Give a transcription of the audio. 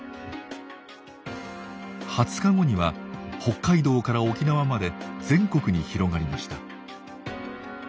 ２０日後には北海道から沖縄まで全国に広がりました。